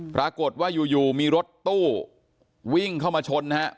ปรากฏว่าอยู่มีรถตู้วิ่งเข้ามาชนนะฮะ